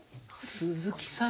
鈴木さん